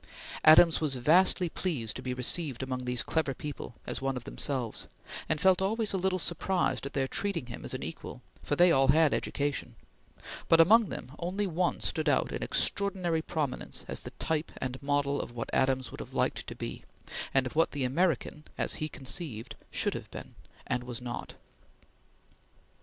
Adams was vastly pleased to be received among these clever people as one of themselves, and felt always a little surprised at their treating him as an equal, for they all had education; but among them, only one stood out in extraordinary prominence as the type and model of what Adams would have liked to be, and of what the American, as he conceived, should have been and was not.